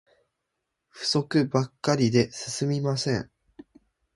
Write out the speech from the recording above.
不足ばっかりで進みません